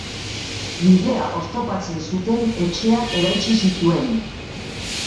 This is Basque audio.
Bidea oztopatzen zuten etxeak eraitsi zituen.